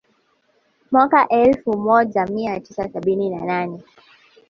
Mwaka elfu moaja mia tisa sabini na nane